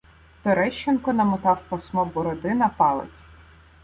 Терещенко намотав пасмо бороди на палець.